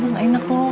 kamu gak enak dong